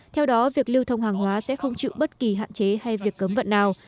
theo đó việc lưu thông hàng hóa sẽ không chịu bất kỳ hạn chế hay việc cấm vận nào